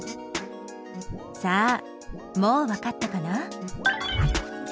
さあもうわかったかな？